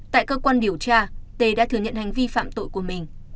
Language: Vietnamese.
tại cơ quan điều tra tê đã thừa nhận hành vi phạm tội của mình